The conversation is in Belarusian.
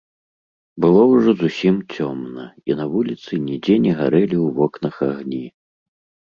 Было ўжо зусім цёмна, і на вуліцы нідзе не гарэлі ў вокнах агні.